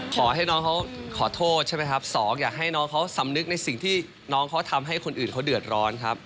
ขอให้น้องเขาขอโทษใช่ไหมครับสองอยากให้น้องเขาสำนึกในสิ่งที่น้องเขาทำให้คนอื่นเขาเดือดร้อนครับ